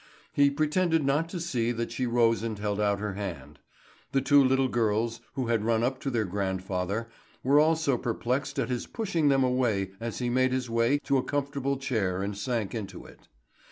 He pretended not to see that she rose and held out her hand. The two little girls, who had run up to their grandfather, were also perplexed at his pushing them away as he made his way to a comfortable chair and sank into it.